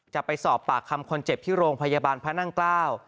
จะไปสอบปากคำคนเจ็บที่โรงพยาบาลพระนั่งเกล้า